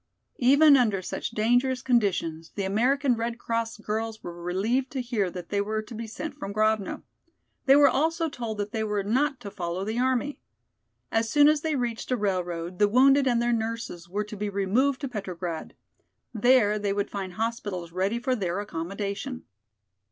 Even under such dangerous conditions the American Red Cross girls were relieved to hear that they were to be sent from Grovno. They were also told that they were not to follow the army. As soon as they reached a railroad, the wounded and their nurses were to be removed to Petrograd. There they would find hospitals ready for their accommodation.